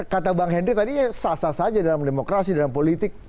kata bang hendri tadi sasar saja dalam demokrasi dalam politik